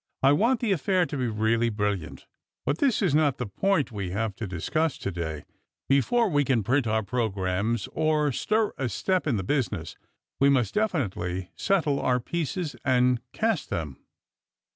I want the affiiir Strangert and Pilgrimt. 193 to be really brilliant. But this is not the point we have to dis' cuss to day. Before we can print our programmes or stir a step in the business, we must definitively settle our pieces, and cast them."